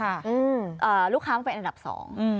อ่าลูกค้ามันเป็นอันดับสองอืม